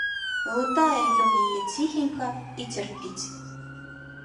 Глытае ён яе ціхенька і цярпіць.